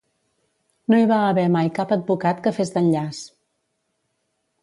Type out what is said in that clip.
No hi va haver mai cap advocat que fes d'enllaç.